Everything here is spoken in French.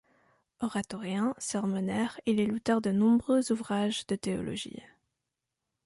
Oratorien, sermonnaire, il est l'auteur de nombreux ouvrages de théologie.